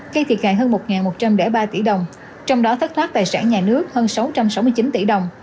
gây thiệt hại hơn một một trăm linh ba tỷ đồng trong đó thất thoát tài sản nhà nước hơn sáu trăm sáu mươi chín tỷ đồng